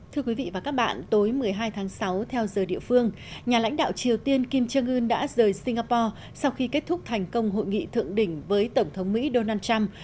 thưa quý vị và các bạn tối một mươi hai tháng sáu theo giờ địa phương nhà lãnh đạo triều tiên kim jong un đã rời singapore sau khi kết thúc thành công hội nghị thượng đỉnh với tổng thống mỹ donald trump